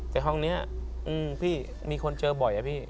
แต่ห้องนี้พี่มีคนเจอบ่อยอะพี่